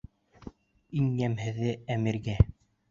Иң йәмһеҙе -Әмиргә!